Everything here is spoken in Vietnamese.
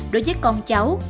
đối với con cháu